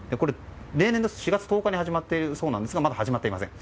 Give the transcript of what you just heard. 例年ですと４月１０日に始まっているそうなんですがまだ始まっていません。